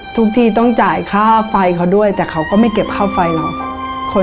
ทุกทีต้องจ่ายค่าไฟเขาด้วยแต่เขาก็ไม่เก็บค่าไฟหรอก